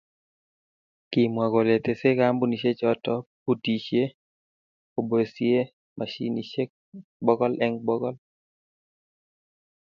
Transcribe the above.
Kimwa kole tesei kampunishe choto butishe koboisie moshinishe bokol eng bokol.